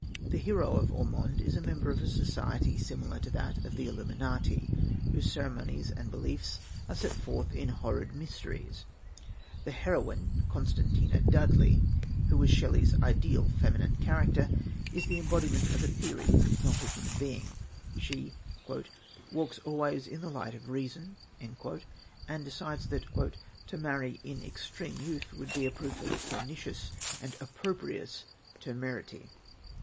The hero of Ormond is a member of a society similar to that of the Illuminati, whose ceremonies and beliefs are set forth in Horrid Mysteries (1796). The heroine, Constantia Dudley, who was Shelley's ideal feminine character, is the embodiment of a theory, not a human being. She "walks always in the light of reason," and decides that "to marry in extreme youth would be a proof of pernicious and opprobrious temerity."